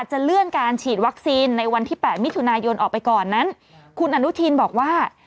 จะเลื่อนการฉีดวัคซีนในวันที่๘มิถุนายนออกไปก่อนนั้นคุณอนุทินบอกว่า